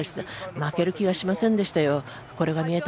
負ける気がしませんでしたよ。